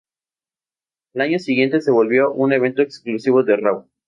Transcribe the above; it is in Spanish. Al año siguiente se volvió un evento exclusivo de Raw.